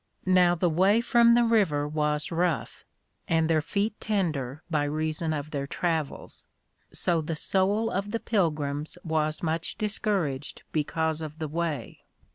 Now the way from the River was rough, and their feet tender by reason of their Travels; _so the soul of the Pilgrims was much discouraged because of the way.